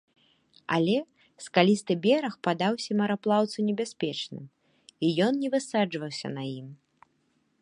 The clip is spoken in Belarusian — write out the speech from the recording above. Але скалісты бераг падаўся мараплаўцу небяспечным, і ён не высаджваўся на ім.